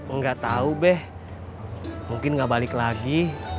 enggak tau be mungkin gak balik lagi